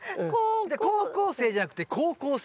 高校生じゃなくて好光性。